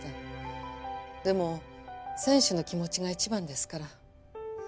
でも選手の気持ちが一番ですから。